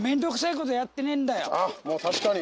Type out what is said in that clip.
ああもう確かに。